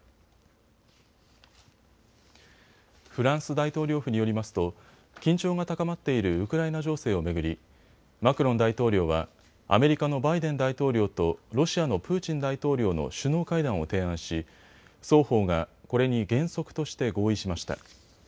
フランス大統領府によりますと緊張が高まっているウクライナ情勢を巡りマクロン大統領はアメリカのバイデン大統領とロシアのプーチン大統領の首脳会談を提案し双方がこれに原則として合意しました。